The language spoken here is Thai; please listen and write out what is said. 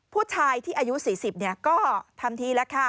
ผู้ชายที่อายุ๔๐ก็ทำทีแล้วค่ะ